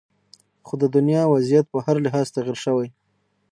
خو د دنیا وضعیت په هر لحاظ تغیر شوې